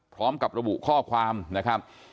พร้อมกับระบุข้อความนะครับ